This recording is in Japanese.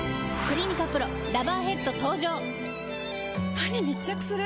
歯に密着する！